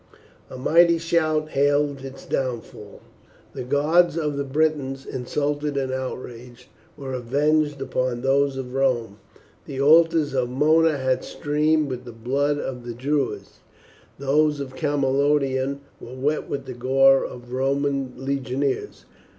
A mighty shout hailed its downfall. The gods of the Britons, insulted and outraged, were avenged upon those of Rome; the altars of Mona had streamed with the blood of the Druids, those of Camalodunum were wet with the gore of Roman legionaries.